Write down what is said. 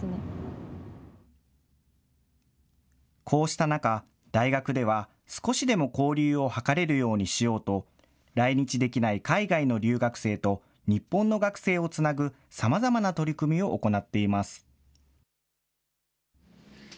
こうした中、大学では、少しでも交流を図れるようにしようと、来日できない海外の留学生と日本の学生をつなぐ、さまざまな取り組みを行っています。